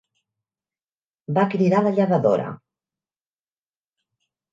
Va cridar la llevadora.